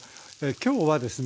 今日はですね